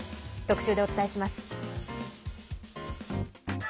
特集でお伝えします。